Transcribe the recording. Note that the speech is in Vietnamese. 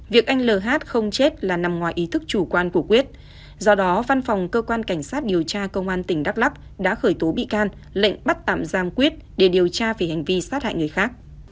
việc anh l không chết là nằm ngoài ý thức chủ quan của quyết do đó văn phòng cơ quan cảnh sát điều tra công an tỉnh đắk lắc đã khởi tố bị can lệnh bắt tạm giam quyết để điều tra về hành vi sát hại người khác